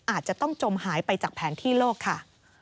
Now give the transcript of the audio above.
อาจจะต้องจมหายไปจากแผนที่โลกค่ะ